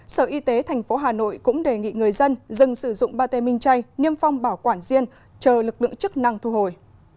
sở y tế tp hà nội cũng đề nghị người dân dừng sử dụng bà tê minh chay niêm phong bảo quản riêng chờ lực lượng chức năng thu hồi